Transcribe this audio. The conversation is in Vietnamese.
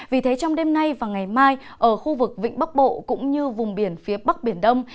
vì thế trong đêm nay và ngày mai ở khu vực vịnh bắc bộ cũng như vùng biển phía bắc biển đông